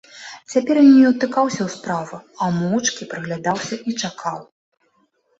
Цяпер ён не ўтыкаўся ў справу, а моўчкі прыглядаўся і чакаў.